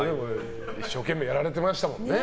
一生懸命やられてましたもんね。